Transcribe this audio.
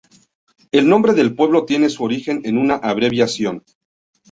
El nombre del pueblo tiene su origen en una abreviación.